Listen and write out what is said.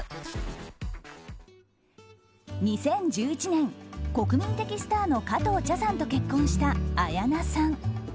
２０１１年、国民的スターの加藤茶さんと結婚した綾菜さん。